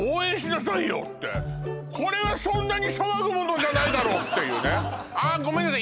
これはそんなに騒ぐものじゃないだろうっていうねあっごめんなさい